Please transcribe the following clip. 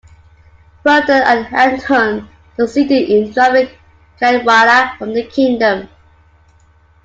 Berhthun and Andhun succeeded in driving Caedwalla from the Kingdom.